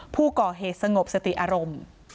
ผู้ก่อเหตุสงบสติอารมณ์